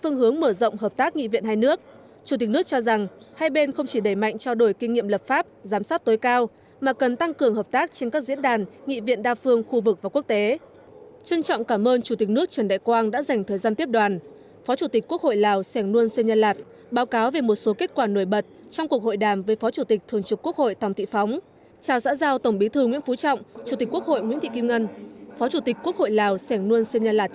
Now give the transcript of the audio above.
chủ tịch nước trần đại quang vui mừng trước những kết quả đạt được trong các cuộc hội đàm trao xã giao của phó chủ tịch quốc hội lào sẻng luân sơn nha lạt với các nhà lãnh đạo đảng quốc hội việt nam nhấn mạnh các thỏa thuận đạt được là cơ sở quan trọng để tiếp tục đối quan hệ việt nam lào ngày càng đi vào chiều sâu có hiệu quả thiết thực